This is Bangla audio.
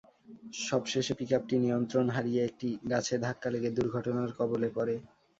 সবশেষ পিকআপটি নিয়ন্ত্রণ হারিয়ে একটি গাছে ধাক্কা লেগে দুর্ঘটনার কবলে পড়ে।